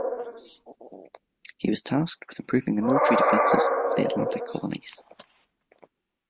He was tasked with improving the military defences of the Atlantic colonies.